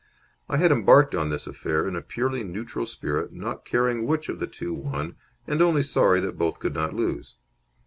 I had embarked on this affair in a purely neutral spirit, not caring which of the two won and only sorry that both could not lose.